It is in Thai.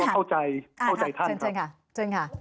เข้าใจท่านครับ